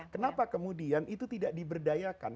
kenapa kemudian itu tidak diberdayakan